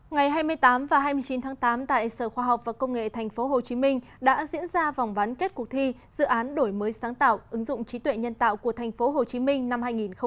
ngày hai mươi tám và hai mươi chín tháng tám tại sở khoa học và công nghệ tp hcm đã diễn ra vòng bán kết cuộc thi dự án đổi mới sáng tạo ứng dụng trí tuệ nhân tạo của tp hcm năm hai nghìn một mươi chín